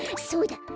そうだ！